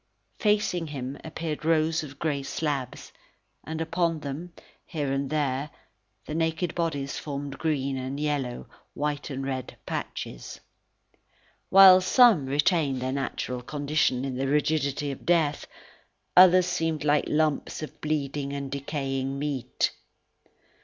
Facing him appeared rows of grey slabs, and upon them, here and there, the naked bodies formed green and yellow, white and red patches. While some retained their natural condition in the rigidity of death, others seemed like lumps of bleeding and decaying meat.